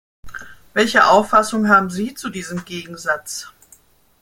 Welche Auffassung haben Sie zu diesem Gegensatz?